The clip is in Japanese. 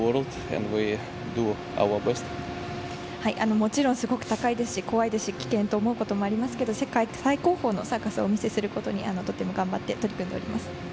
もちろんすごく高いですし怖いですし、危険と思うこともありますがしっかり最高峰のサーカスを見せることに頑張って取り組んでいます。